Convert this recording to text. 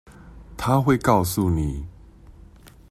她會告訴你